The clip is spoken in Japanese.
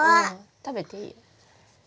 食べていいよ。